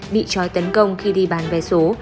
bị trói tấn công khi đi bàn vé số